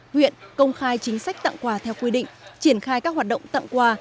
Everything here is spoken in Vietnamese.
huyện công khai chính sách tặng quà theo quy định triển khai các hoạt động tặng quà